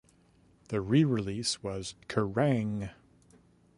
The re-release was Kerrang!